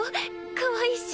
かわいいし。